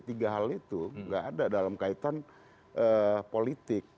tiga hal itu tidak ada dalam kaitan politik